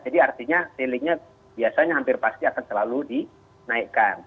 jadi artinya sailingnya biasanya hampir pasti akan selalu dinaikkan